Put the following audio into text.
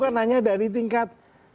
bukan hanya dari tingkat